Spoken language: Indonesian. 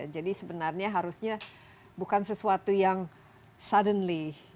jadi sebenarnya harusnya bukan sesuatu yang suddenly